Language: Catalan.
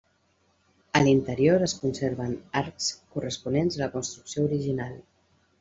A l'interior es conserven arcs corresponents a la construcció original.